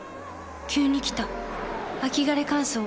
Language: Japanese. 急に来た秋枯れ乾燥。